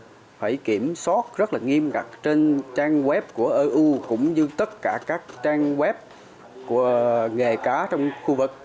công ty phải kiểm soát rất nghiêm ngặt trên trang web của eu cũng như tất cả các trang web của nghề cá trong khu vực